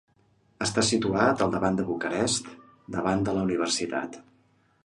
Està situat al centre de Bucarest, davant de la universitat.